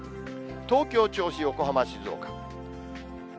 東京、銚子、横浜、静岡。